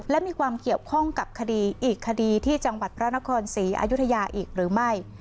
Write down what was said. และมีความเกี่ยวข้องกับคดีอีกคดีที่จังหวัดพระนครศรีอายุทยาอีกหรือไม่